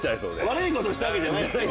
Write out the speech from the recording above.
悪いことしたわけではない。